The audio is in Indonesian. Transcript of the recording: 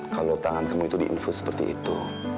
kalau tangan kamu itu diinfus seperti itu